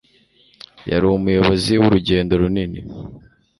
Yari umuyobozi wurugendo runini